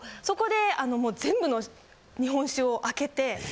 そこで全部の日本酒をあけて。